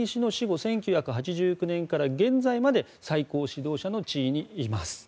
１９８９年から現在まで最高指導者の地位にいます。